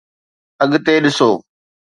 اڳتي ڏسو